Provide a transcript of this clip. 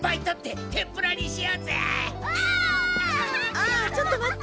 あちょっと待って。